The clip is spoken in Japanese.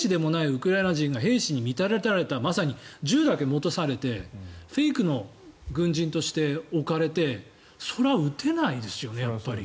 ウクライナ人が兵士に見立てられてまさに銃だけ持たせられてフェイクの軍人として置かれてそれは撃てないですよね。